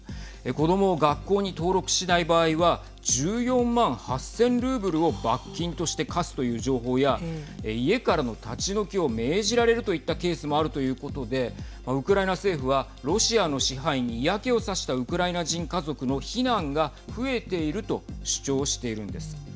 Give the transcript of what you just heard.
子どもを学校に登録しない場合は１４万８０００ルーブルを罰金として科すという情報や家からの立ち退きを命じられるといったケースもあるということでウクライナ政府はロシアの支配に嫌気をさしたウクライナ人家族の避難が増えていると主張しているんです。